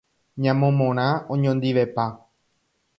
Ñamomorã oñondivepa.